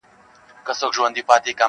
بل يې ورته وايي چي بايد خبره پټه پاته سي,